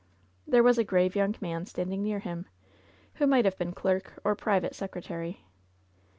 There was a grave young man standing near him, who might have been clerk or private secretary.